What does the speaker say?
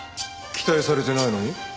期待されてないのに？